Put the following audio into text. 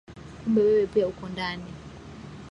Kumbe wewe pia uko ndani